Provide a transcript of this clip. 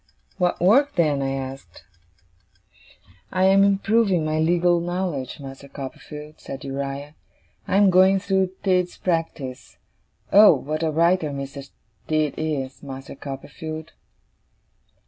'What work, then?' I asked. 'I am improving my legal knowledge, Master Copperfield,' said Uriah. 'I am going through Tidd's Practice. Oh, what a writer Mr. Tidd is, Master Copperfield!